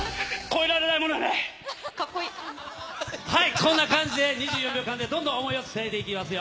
こんな感じで２４秒間でどんどん想いをつないでいきますよ。